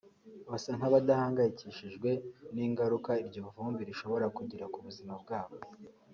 basa nk’abadahangayikishijwe n’ingaruka iryo vumbi rishobora kugira ku buzima bwabo